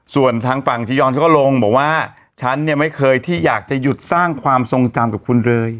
ส่วนทางฝั่งจียอนเขาก็ลงบอกว่าฉันเนี่ยไม่เคยที่อยากจะหยุดสร้างความทรงจำกับคุณเลย